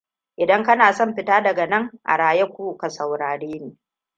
Idan kana son fita daga nan a raye to ka saurare ni.